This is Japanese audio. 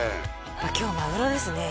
今日マグロですね